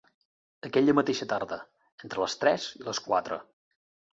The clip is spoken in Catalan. Aquella mateixa tarda, entre les tres i les quatre